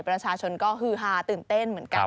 ประชาชนก็ฮือฮาตื่นเต้นเหมือนกัน